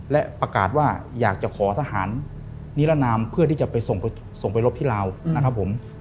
และประกาศว่าอยากจะขอทหารนิรนามเพื่อที่จะไปส่งไปรบที่ลาวนะครับผม